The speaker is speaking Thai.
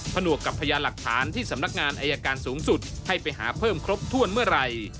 หนวกกับพยานหลักฐานที่สำนักงานอายการสูงสุดให้ไปหาเพิ่มครบถ้วนเมื่อไหร่